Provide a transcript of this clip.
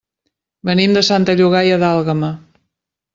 Venim de Santa Llogaia d'Àlguema.